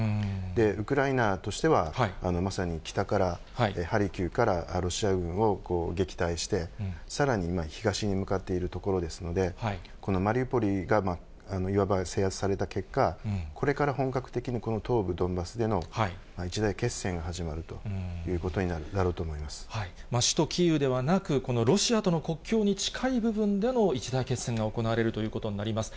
ウクライナとしては、まさに北からハルキウからロシア軍を撃退して、さらに今、東に向かっているところですので、このマリウポリがいわば制圧された結果、これから本格的にこの東部ドンバスでの一大決戦が始まるというこ首都キーウではなく、このロシアとの国境に近い部分での一大決戦が行われるということになります。